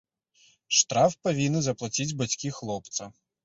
Штраф павінны заплаціць бацькі хлопца.